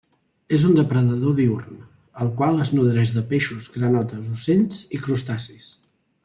És un depredador diürn, el qual es nodreix de peixos, granotes, ocells i crustacis.